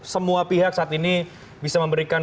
semua pihak saat ini bisa memberikan